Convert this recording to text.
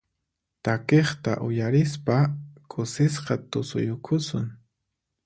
Takiqta uyarispa kusisqa tusuyukusun.